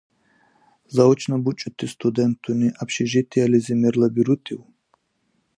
Заочно бучӀути студентуни общежитиелизи мерлабирутив?